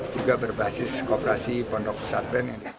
juga berbasis kooperasi pondok pesantren